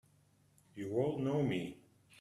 You all know me!